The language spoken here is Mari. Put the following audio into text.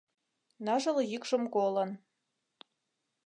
Ныжыл йӱкшым колын